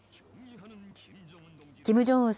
キム・ジョンウン